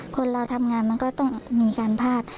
คนเราทำงานมันก็ต้องมีการพลาด